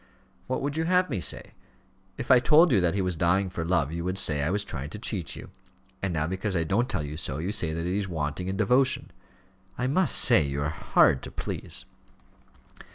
"What would you have me say? If I told you that he was dying for love, you would say, I was trying to cheat you; and now because I don't tell you so, you say that he is wanting in devotion. I must say you are hard to please."